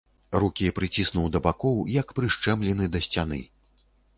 Рукі прыціснуў да бакоў, як прышчэмлены да сцяны.